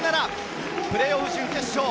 プレーオフ準決勝。